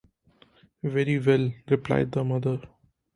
“Very well,” replied the mother.